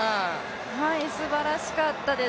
すばらしかったです。